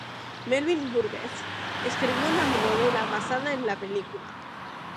Melvin Burgess escribió una novela basada en la película.